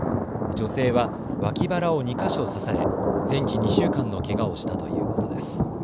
女性は脇腹を２か所刺され全治２週間のけがをしたということです。